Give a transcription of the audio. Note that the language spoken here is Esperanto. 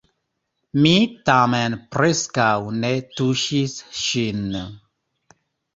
Mi tamen preskaŭ ne tuŝis ŝin.